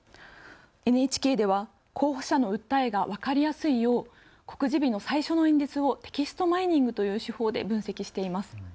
ＮＨＫでは候補者の訴えが分かりやすいよう告示日の最初の演説をテキストマイニングという手法で分析しています。